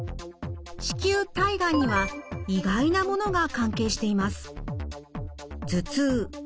子宮体がんには意外なものが関係しています。